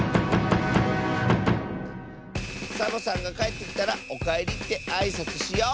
サボさんがかえってきたら「おかえり」ってあいさつしよう！